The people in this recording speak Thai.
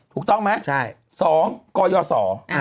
ถูกต้องไหม๒กยศ